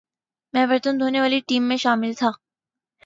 میں برتن دھونے والی ٹیم میں شامل تھا